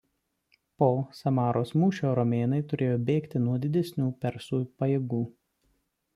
Po Samaros mūšio romėnai turėjo bėgti nuo didesnių persų pajėgų.